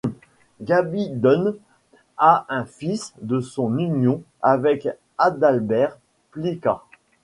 Gaby Dohm a un fils de son union avec Adalbert Plica.